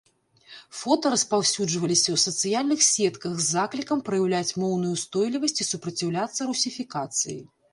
Фота распаўсюджваліся ў сацыяльных сетках з заклікам праяўляць моўную ўстойлівасць і супраціўляцца русіфікацыі.